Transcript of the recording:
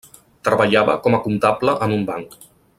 Treballava com a comptable en un banc.